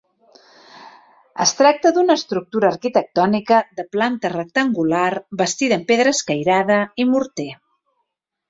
Es tracta d'una estructura arquitectònica de planta rectangular bastida amb pedra escairada i morter.